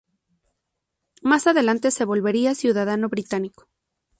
Más adelante se volvería ciudadano británico.